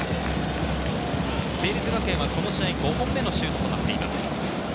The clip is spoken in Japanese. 成立学園はこの試合、５本目のシュートとなっています。